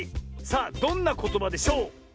さあどんなことばでしょう？